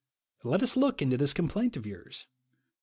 Let us look mto this complaint of yours.